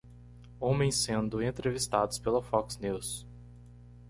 Homens sendo entrevistados pela Fox News